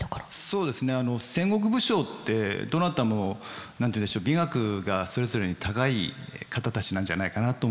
そうですね戦国武将ってどなたも何て言うんでしょう美学がそれぞれに高い方たちなんじゃないかなと思うんですね。